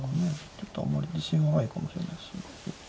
ちょっとあんまり自信はないかもしれないですね。